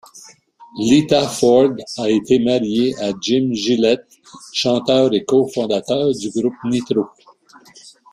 Lita Ford a été mariée à Jim Gillette, chanteur et cofondateur du groupe Nitro.